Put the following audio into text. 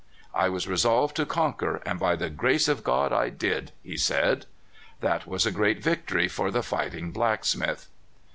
"I was resolved to conquer, and by the grace of God I did," he said. That was a great victory for the fighting black smith.